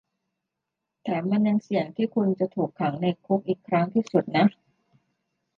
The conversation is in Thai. แถมมันยังเสี่ยงที่คุณจะถูกขังในคุกอีกครั้งที่สุดนะ